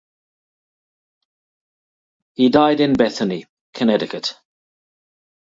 He died in Bethany, Connecticut.